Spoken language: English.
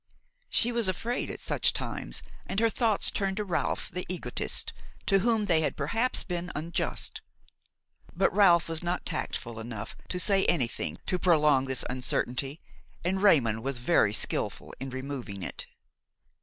She was afraid at such times, and her thoughts turned to Ralph, the egotist, to whom they had perhaps been unjust; but Ralph was not tactful enough to say anything to prolong this uncertainty, and Raymon was very skilful in removing it.